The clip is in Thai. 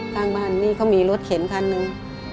ข้างบ้านนี่เขามีรถเข็นคันหนึ่ง